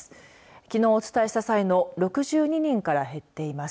きのうお伝えした際の６２人からは減っています。